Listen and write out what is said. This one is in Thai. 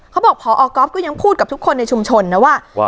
เขาบอกพอก๊อฟก็ยังพูดกับทุกคนในชุมชนนะว่า